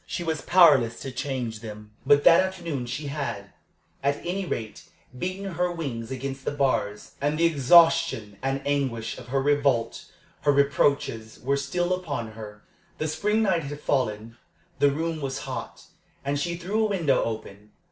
She was powerless to change them; but that afternoon she had, at any rate, beaten her wings against the bars, and the exhaustion and anguish of her revolt, her reproaches, were still upon her. The spring night had fallen. The room was hot, and she threw a window open.